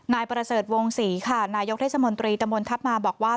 นายประเสริฐวงศรีค่ะนายกเทศมนตรีตะมนทัพมาบอกว่า